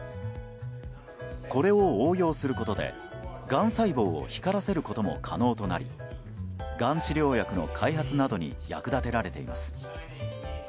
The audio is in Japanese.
これを応用することでがん細胞を光らせることも可能となりがん治療薬の開発などに役立てられいます。